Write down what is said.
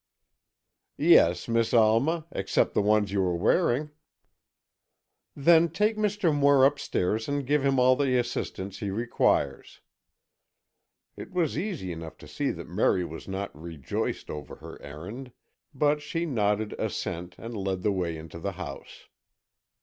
"Yes, Miss Alma, except the ones you are wearing." "Then take Mr. Moore upstairs and give him all the assistance he requires." It was easy enough to see that Merry was not rejoiced over her errand, but she nodded assent and led the way into the house.